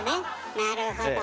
なるほど。